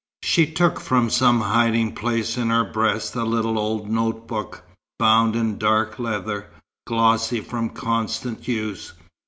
She took from some hiding place in her breast a little old note book, bound in dark leather, glossy from constant use.